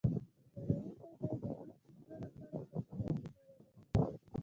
چلوونکی باید د مخکې تلو لپاره خوندي فاصله ولري